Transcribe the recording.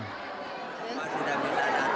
kedatangan presiden jokowi dan reni nurmaningsi ini